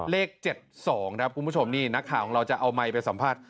เลข๗๒ครับคุณผู้ชมนี่นักข่าวของเราจะเอาไมค์ไปสัมภาษณ์